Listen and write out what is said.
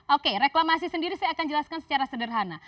oke reklamasi sendiri saya akan jelaskan secara sederhana